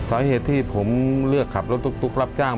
สาเหตุที่ผมเลือกขับรถตุ๊กรับจ้าง